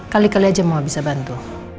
kali kali aja mau bisa bantu